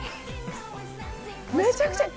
めちゃくちゃ。